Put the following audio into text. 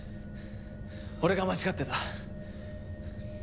俺が間違ってた。